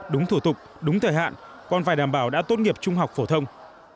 đúng thủ tục đúng thời hạn còn phải đảm bảo đã tốt nghiệp trung học phổ thông